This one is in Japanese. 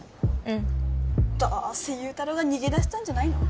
うんどうせ祐太郎が逃げ出したんじゃないの？